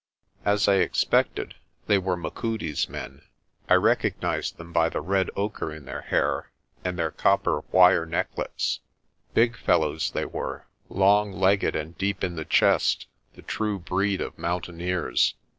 As I expected, they were Machudi's men. I recognised them by the red ochre in their hair and their copper wire necklets. Big fellows they were, long legged and deep in the chest, the true breed of mountaineers.